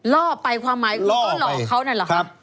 ล่อไปความหมายคือก็ล่อเขานั่นหรือครับ